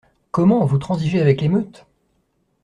Comment ! vous transigez avec l’émeute ?